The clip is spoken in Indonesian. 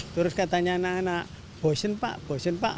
terus katanya anak anak bosen pak bosen pak